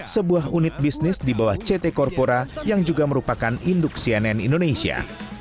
sebuah unit bisnis di bawah ct corpora yang juga merupakan induk cnn indonesia